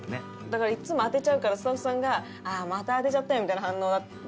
だからいつも当てちゃうからスタッフさんが「また当てちゃったよ」みたいな反応だったんですよ